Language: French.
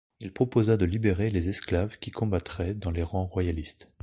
Il proposa de libérer les esclaves qui combattraient dans les rangs royalistes.